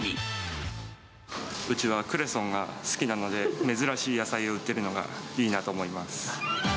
うちはクレソンが好きなので、珍しい野菜を売ってるのがいいなと思います。